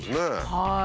はい。